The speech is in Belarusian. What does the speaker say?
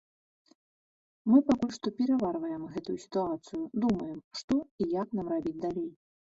Мы пакуль што пераварваем гэтую сітуацыю, думаем, што і як нам рабіць далей.